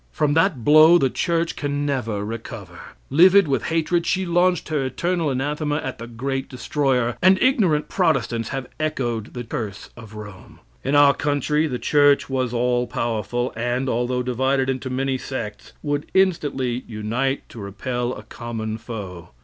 From that blow the church can never recover. Livid with hatred she launched her eternal anathema at the great destroyer, and ignorant Protestants have echoed the curse of Rome. In our country the church was all powerful, and, although divided into many sects, would instantly unite to repel a common foe.